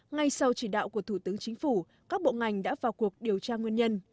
ngay sau chỉ đạo của thủ tướng chính phủ các bộ ngành đã vào cuộc điều tra nguyên nhân